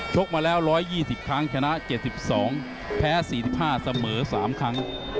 กมาแล้ว๑๒๐ครั้งชนะ๗๒แพ้๔๕เสมอ๓ครั้ง